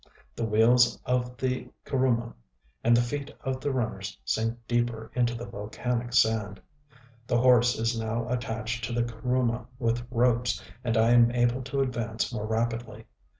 The wheels of the kuruma, and the feet of the runners sink deeper into the volcanic sand.... The horse is now attached to the kuruma with ropes, and I am able to advance more rapidly.